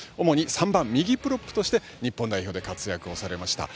主に３番右プロップとして日本代表で活躍されました。